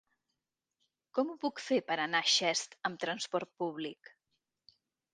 Com ho puc fer per anar a Xest amb transport públic?